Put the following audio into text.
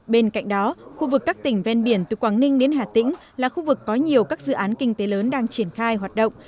bên cạnh đó khu vực các tỉnh ven biển từ quảng ninh đến hà tĩnh là khu vực có nhiều các dự án kinh tế lớn đang triển khai hoạt động